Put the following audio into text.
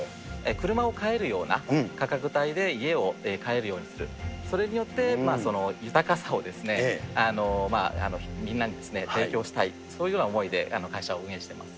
車を替えるような価格帯で家を買えるようにする、それによって、豊かさをみんなに提供したい、そういうような思いで会社を運営してます。